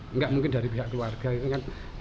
enggak mungkin dari pihak keluarga